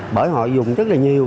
bởi họ dùng rất là nhiều